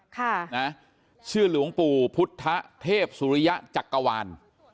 ค่ะนะชื่อหลวงปู่พุทธเทพสุริยะจักรวาล